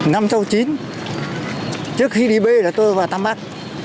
năm sau chín trước khi đi b là tôi vào tăm bác